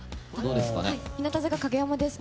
日向坂、影山です。